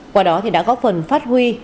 qua đó thì đã góp phần phát huy